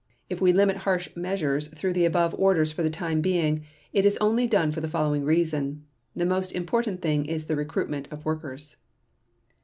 . If we limit harsh measures through the above orders for the time being, it is only done for the following reason .... The most important thing is the recruitment of workers."